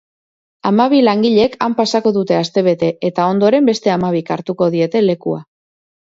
Hamabi langilek han pasako dute astebete eta ondoren beste hamabik hartuko diete lekua.